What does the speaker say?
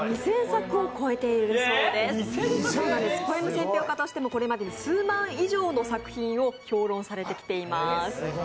選評家としても、これまでに数万以上の作品を評価されています。